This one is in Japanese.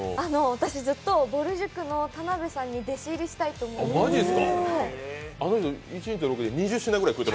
私、ずっとぼる塾の田辺さんに弟子入りしたいと思っていて。